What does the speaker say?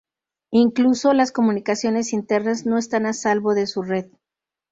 incluso las comunicaciones internas, no están a salvo de su red